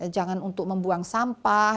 jangan untuk membuang sampah